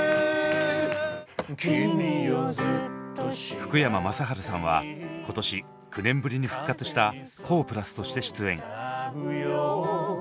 福山雅治さんは今年９年ぶりに復活したＫＯＨとして出演。